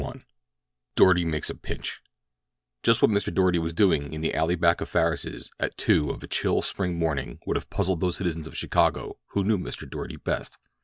— DOARTY MAKES A "PINCH" Just what Mr. Doarty was doing in the alley back of Farris's at two of a chill spring morning would have puzzled those citizens of Chicago who knew Mr. Doarty best.